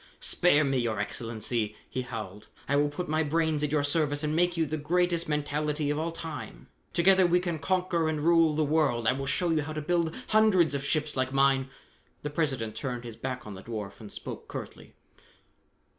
"Spare me, Your Excellency," he howled. "I will put my brains at your service and make you the greatest mentality of all time. Together we can conquer and rule the world. I will show you how to build hundreds of ships like mine " The President turned his back on the dwarf and spoke curtly.